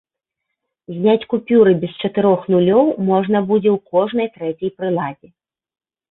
Зняць купюры без чатырох нулёў можна будзе толькі ў кожнай трэцяй прыладзе.